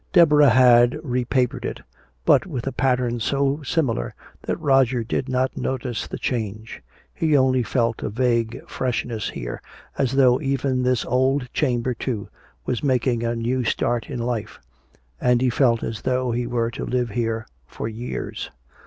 Deborah had repapered it, but with a pattern so similar that Roger did not notice the change. He only felt a vague freshness here, as though even this old chamber, too, were making a new start in life. And he felt as though he were to live here for years.